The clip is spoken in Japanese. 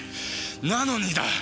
なのにだ！